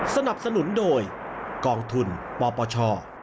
สนับสนุนโดยกองทุนปปช